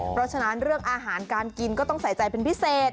เพราะฉะนั้นเรื่องอาหารการกินก็ต้องใส่ใจเป็นพิเศษ